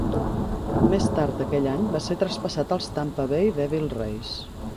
Més tard aquell any va ser traspassat als Tampa Bay Devil Rays.